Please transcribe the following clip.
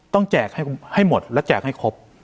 แจกให้หมดและแจกให้ครบ